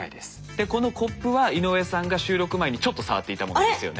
でこのコップは井上さんが収録前にちょっと触っていたものなんですよね。